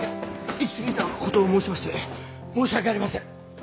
行きすぎた事を申しまして申し訳ありません。